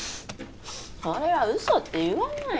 それは嘘って言わないよ